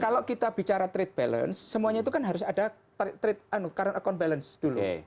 kalau kita bicara trade balance semuanya itu kan harus ada trade current account balance dulu